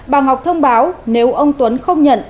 bà ngọc thông báo nếu ông tuấn không nhận